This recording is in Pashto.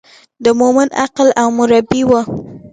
د مومن عقل او مربي و.